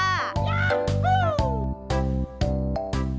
ยาฮู